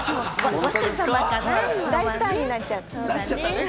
大スターになっちゃったから。